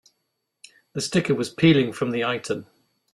The sticker was peeling from the item.